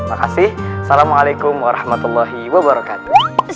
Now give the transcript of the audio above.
makasih salamualaikum warahmatullahi wabarakatuh